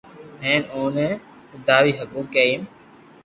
ھين او ني ودھاوي ھگو